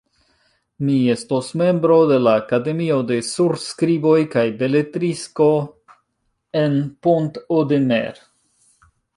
Mi estos membro de la Akademio de Surskriboj kaj Beletrisko en Pont-Audemer!